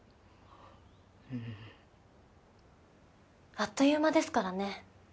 あっという間ですからね。